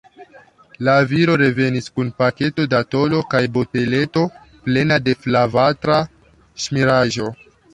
La viro revenis kun paketo da tolo kaj boteleto plena de flavatra ŝmiraĵo.